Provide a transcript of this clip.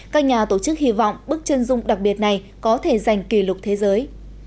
các nhà tổ chức hy vọng bức chân dung đặc biệt này có thể giành kỷ lục thế giới